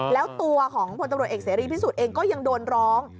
แล้วตัวของพลตำรวจเอกเสรีพิสุทธิ์เองก็ยังโดนร้อง